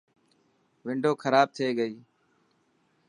ونڊو خراب ٿي گئي.